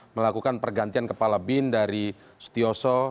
melakukan pergantian kepala bin dari setioso